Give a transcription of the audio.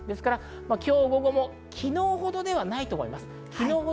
今日、午後も昨日ほどではないと思います。